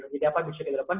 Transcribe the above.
jadi apa yang bisa dilakukan